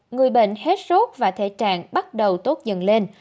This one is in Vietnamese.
người bệnh hết sốt và thể trạng bắt đầu tốt dần lên